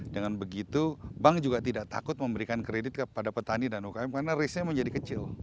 dengan begitu bank juga tidak takut memberikan kredit kepada petani dan ukm karena race nya menjadi kecil